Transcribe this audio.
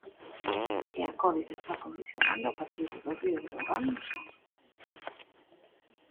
E a Covid está condicionando o partido do Río Breogán no Sar.